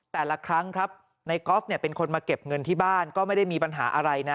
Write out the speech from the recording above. แต่ละครั้งครับในกอล์ฟเนี่ยเป็นคนมาเก็บเงินที่บ้านก็ไม่ได้มีปัญหาอะไรนะ